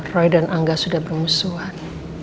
roy dan angga sudah bermusuhan